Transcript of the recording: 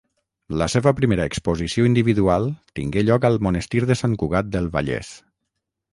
La seva primera exposició individual tingué lloc al Monestir de Sant Cugat del Vallès.